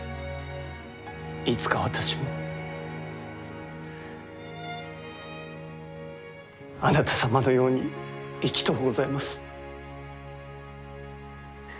いつか私もあなた様のように生きとうございます。